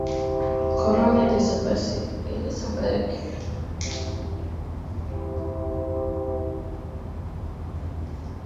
Jinsi maambukizi ya kichaa cha mbwa yanavyofanyika katika ngamia